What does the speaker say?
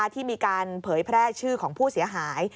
ที่มีการเผยแพร่ชื่อของผู้เสียหาย